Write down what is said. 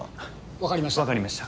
分かりました！